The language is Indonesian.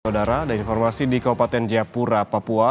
saudara ada informasi di kabupaten jayapura papua